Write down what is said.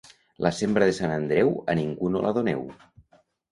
La sembra de Sant Andreu a ningú no la doneu.